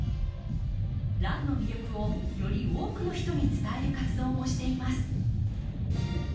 ランの魅力をより多くの人に伝える活動もしています。